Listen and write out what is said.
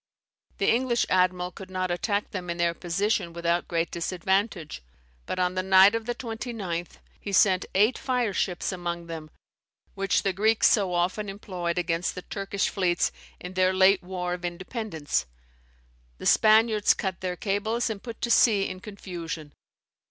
The English admiral could not attack them in their position without great disadvantage, but on the night of the 29th he sent eight fire ships among them, with almost equal effect to that of the fire ships which the Greeks so often employed against the Turkish fleets in their late war of independence. The Spaniards cut their cables and put to sea in confusion.